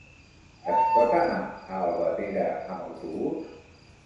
Es pot anar a Albatera amb autobús?